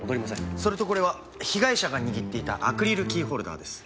それとこれは被害者が握っていたアクリルキーホルダーです。